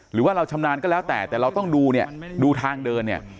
หรือว่าเราชำนาญก็แล้วแต่แต่เราต้องดูเนี่ยดูทางเดินเนี่ย